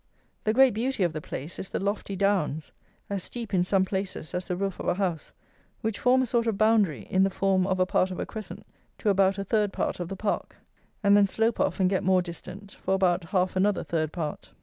The great beauty of the place is the lofty downs, as steep, in some places, as the roof of a house, which form a sort of boundary, in the form of a part of a crescent, to about a third part of the park, and then slope off and get more distant, for about half another third part.